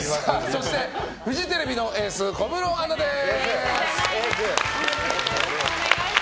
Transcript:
そしてフジテレビのエース小室アナです！